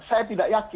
saya tidak yakin